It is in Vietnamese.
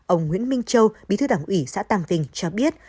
ông nguyễn minh châu bí thư đảng ủy xã tam vinh cho biết